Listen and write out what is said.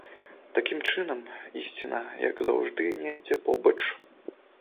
Такім чынам, ісціна, як заўжды, недзе побач.